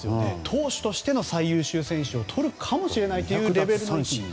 投手としての最優秀選手をとるかもしれないというレベルに。